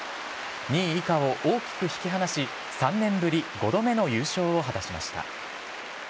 ２位以下を大きく引き離し、３年ぶり５度目の優勝を果たしました。